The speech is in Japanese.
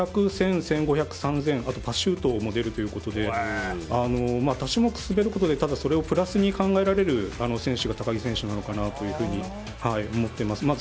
５００、１５００、３０００パシュートにも出るということで多種目滑ることでそれをプラスに考えられる選手が高木選手なのかなというふうに思っています。